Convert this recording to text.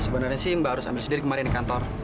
sebenarnya sih mbak harus ambil sendiri kemarin di kantor